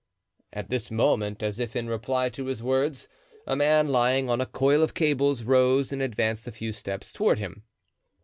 At this moment, as if in reply to his words, a man lying on a coil of cables rose and advanced a few steps toward him.